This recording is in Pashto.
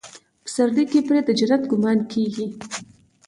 پسرلي کې پرې د جنت ګمان کېږي.